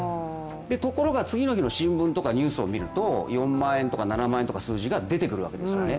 ところが、次の日の新聞とかニュースを見ると、４万円とか７万円という数字が出てくるわけですよね。